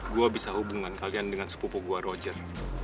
gue bisa hubungan kalian dengan sepupu gue roger